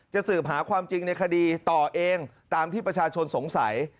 สืบหาความจริงในคดีต่อเองตามที่ประชาชนสงสัย